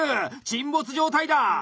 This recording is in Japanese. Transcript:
沈没状態だ。